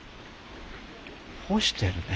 干してるね。